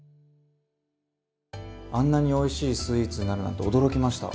あんなにおいしいスイーツになるなんて驚きました。